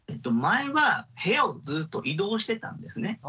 前は部屋をずっと移動してたんですね。